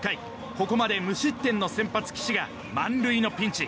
ここまで無失点の先発、岸が満塁のピンチ。